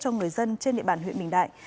cho người dân trên địa bàn huyện bình đại